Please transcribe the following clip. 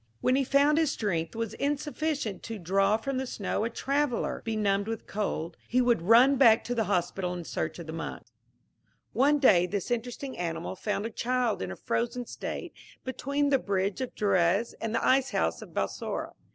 When he found his strength was insufficient to draw from the snow a traveller benumbed with cold, he would run back to the hospital in search of the monks. One day this interesting animal found a child in a frozen state between the Bridge of Drouaz and the Ice house of Balsora.